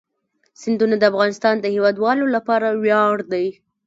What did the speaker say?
سیندونه د افغانستان د هیوادوالو لپاره ویاړ دی.